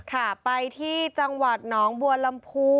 ค่ะไปที่จังหวัดหนองบัวลำพู